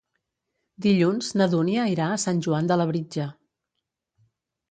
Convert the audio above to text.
Dilluns na Dúnia irà a Sant Joan de Labritja.